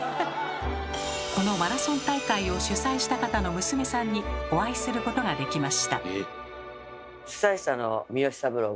このマラソン大会を主催した方の娘さんにお会いすることができました。